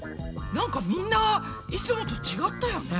なんかみんないつもと違ったよね。